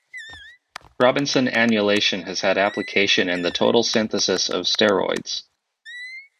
Robinson annulation has had application in the total synthesis of steroids.